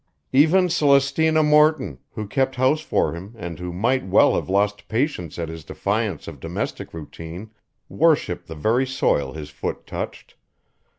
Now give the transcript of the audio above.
Even Celestina Morton, who kept house for him and who might well have lost patience at his defiance of domestic routine, worshipped the very soil his foot touched.